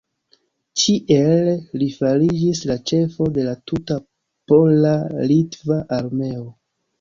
Tiel li fariĝis la ĉefo de la tuta pola-litva armeo.